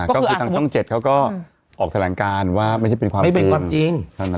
คือตั้งท่อง๗เขาก็ออกแสดงการว่าไม่เป็นความจริง